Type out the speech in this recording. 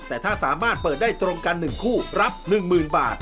แต่ถ้าสามารถเปิดได้ตรงกัน๑คู่รับ๑๐๐๐บาท